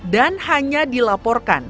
dan hanya dilaporkan